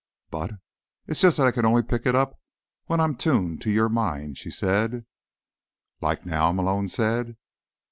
"But—" "It's just that I can only pick it up when I'm tuned to your mind," she said. "Like now?" Malone said.